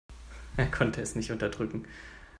Er konnte es nicht unterdrücken.